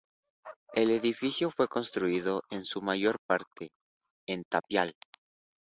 El edificio fue construido, en su mayor parte, en tapial.